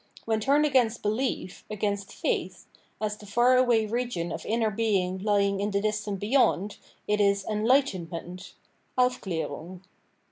When turned against belief, against faith, as the far away region of inner being lying in the distant beyond, it is Enlightenment {AufJclarung).